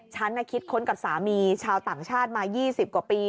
ฉันคิดค้นกับสามีชาวต่างชาติมา๒๐กว่าปี